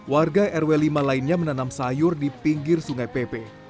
warga rw lima lainnya menanam sayur di pinggir sungai pepe